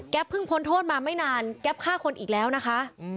เพิ่งพ้นโทษมาไม่นานแก๊ปฆ่าคนอีกแล้วนะคะ